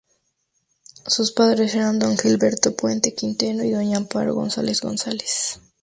Sus padres eran don Gilberto Puente Quintero y doña Amparo González González.